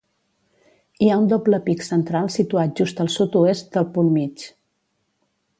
Hi ha un doble pic central situat just al sud-oest del punt mig.